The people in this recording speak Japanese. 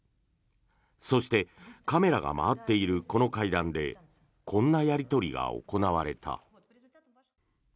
そして、カメラが回っているこの会談でこんなやり取りが行われた。